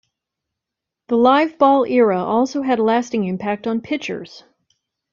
The live-ball era also had a lasting impact on pitchers.